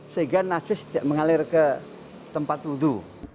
sehingga najis tidak mengalir ke tempat wudhu